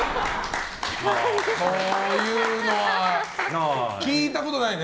こういうのは聞いたことないね。